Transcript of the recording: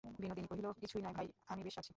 বিনোদিনী কহিল, কিছুই নয় ভাই, আমি বেশ আছি।